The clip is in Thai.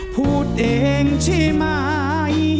พูดเองใช่ไหม